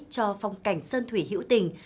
cho phong cảnh sơn thủy hữu tình